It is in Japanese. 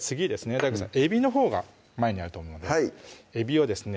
ＤＡＩＧＯさんえびのほうが前にあると思うのでえびをですね